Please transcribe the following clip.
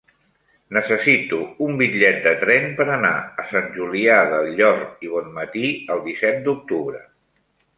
Necessito un bitllet de tren per anar a Sant Julià del Llor i Bonmatí el disset d'octubre.